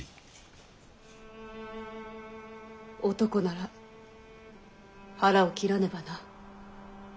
男なら腹を切らねばな。